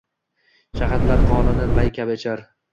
Shahidlar qonini may kabi ichar.